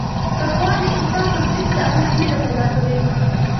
تقوا د انسان په زړه کې د الله وېره پیدا کوي.